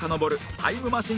タイムマシン